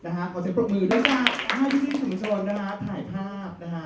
ค่ะนะฮะขอเซ็นต์ปรบมือด้วยค่ะให้พี่ซี่สมชลนะฮะถ่ายภาพนะฮะ